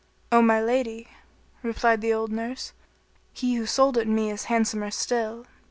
"O my lady," replied the old nurse, "he who sold it me is handsomer still.